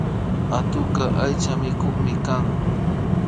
Atukka aychamikuk kan